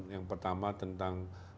yang pertama tentang